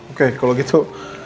oke kalau gitu